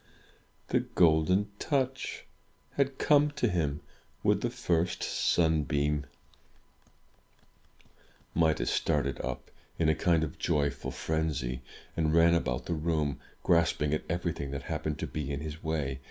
The Golden Touch had come to him with the first sunbeam! Midas started up, in a kind of joyful frenzy, and ran about the room, grasping at everything that happened to be in his way.